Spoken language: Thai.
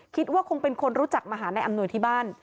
คิดว่าคงเป็นคนรู้จักมาหานายอำนวยที่บ้าน